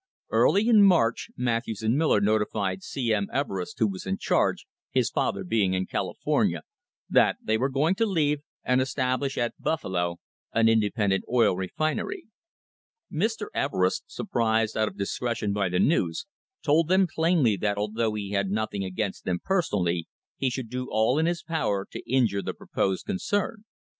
Early in March Matthews and Miller notified C. M. Ever est, who was in charge, his father being in California, that they were going to leave and establish at Buffalo an inde [90 THE HISTORY OF THE STANDARD OIL COMPANY pendent oil refinery. Mr. Everest, surprised out of discretion by the news, told them plainly that although he had nothing against them personally, he should do all in his power to injure the proposed concern.